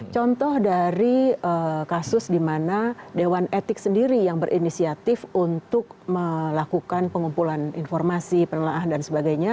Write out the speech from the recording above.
contoh dari kasus di mana dewan etik sendiri yang berinisiatif untuk melakukan pengumpulan informasi penelaahan dan sebagainya